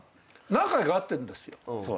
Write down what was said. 何回か会ってるんですよ。